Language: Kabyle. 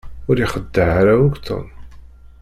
Ur ixeddeɛ ara akk Tom.